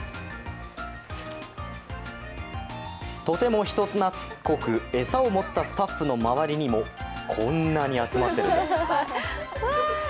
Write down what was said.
とても人なつっこく、餌を持ったスタッフの周りにもこんなに集まっているんです。